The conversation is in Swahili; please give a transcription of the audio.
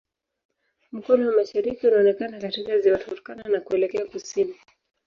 Mkono wa mashariki unaonekana katika Ziwa Turkana na kuelekea kusini.